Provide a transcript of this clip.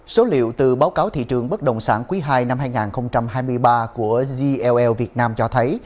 số liệu từ báo cáo thị trường bất đồng sản quý ii năm hai nghìn hai mươi ba của zl việt nam cho thấy